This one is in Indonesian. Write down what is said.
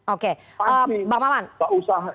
oke mbak maman